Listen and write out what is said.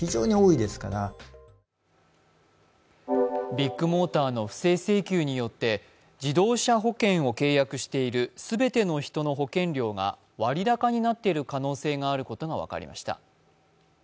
ビッグモーターの不正請求によって自動車保険を契約している全ての人の保険料が割高になっている可能性があることが分かりました。